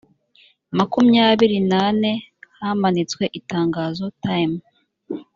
makumyabiri n ane hamanitswe itangazo time